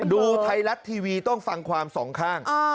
ดูไทยรัฐทีวีต้องฟังความสองข้าง